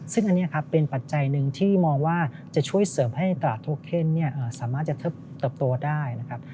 ซึ่งอันนี้ครับเป็นปัจจัยหนึ่งที่มองว่าจะช่วยเสริมให้ตลาดโทเคนสามารถจะเติบโตได้นะครับ